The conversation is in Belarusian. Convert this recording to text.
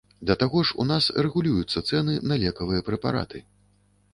Да таго ж, у нас рэгулююцца цэны на лекавыя прэпараты.